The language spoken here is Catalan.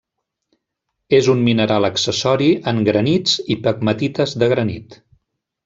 És un mineral accessori en granits i pegmatites de granit.